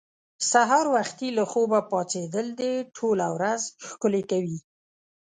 سهار وختي له خوبه پاڅېدل دې ټوله ورځ ښکلې کوي.